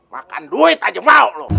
makan duit aja mau loh